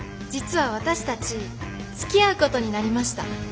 実は私たちつきあうことになりました。